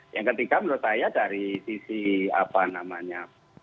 yang ketiga menurut saya dari sisi apa namanya